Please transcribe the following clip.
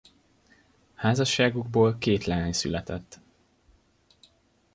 Házasságukból két leány született.